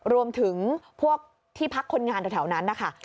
รวมถึงพวกที่พักคนงานแถวนั้นนะคะ